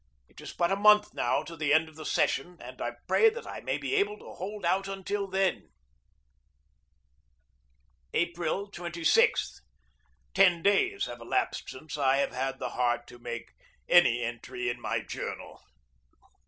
It is but a month now to the end of the session, and I pray that I may be able to hold out until then. April 26. Ten days have elapsed since I have had the heart to make any entry in my journal.